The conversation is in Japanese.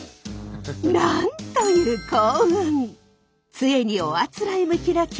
なんという幸運！